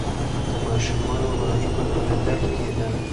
د ماشومانو غږونه اورېدل کېدل.